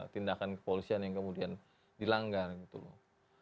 tindakan kepolisian yang kemudian dilanggar gitu loh